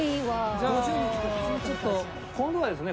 じゃあちょっと今度はですね